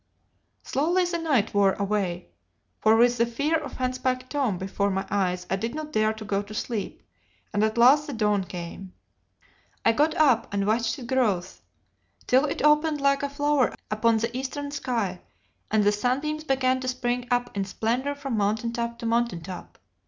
"Slowly the night wore away, for with the fear of Handspike Tom before my eyes I did not dare to go to sleep, and at last the dawn came. I got up and watched its growth, till it opened like a flower upon the eastern sky, and the sunbeams began to spring up in splendour from mountain top to mountain top.